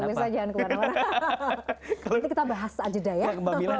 nanti kita bahas aja ya